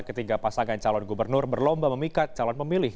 ketiga pasangan calon gubernur berlomba memikat calon pemilih